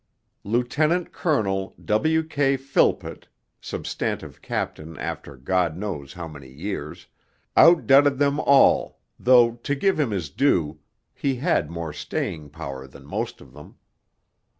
Lt. Col. (Tem'y) W. K. Philpott (Substantive Captain after God knows how many years) out dudded them all, though, to give him his due, he had more staying power than most of them.